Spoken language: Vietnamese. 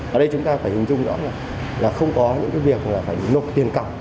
ở đây chúng ta phải hình dung rõ là không có những cái việc là phải nộp tiền cọc